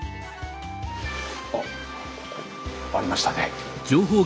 あっありましたね。